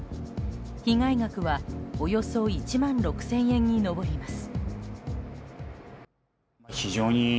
被害額はおよそ１万６０００円に上ります。